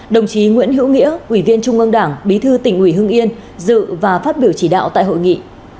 đồng chí nguyễn hữu nghĩa ủy viên trung ương đảng bí thư tỉnh ủy hương yên dự và phát biểu chỉ đạo tại hội nghị